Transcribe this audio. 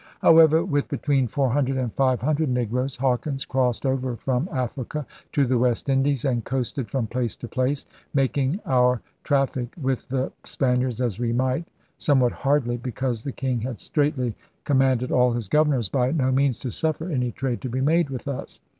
' However, with * between 400 and 500 negroes,' Hawkins crossed over from Africa to the West Indies and 'coasted from place to place, making our traffic with the Spaniards as we might, some what hardly, because the King had straitly com manded all his governors by no means to suffer any trade to be made with us.